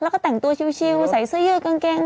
แล้วก็แต่งตัวชิวใส่เสื้อยืดกางเกง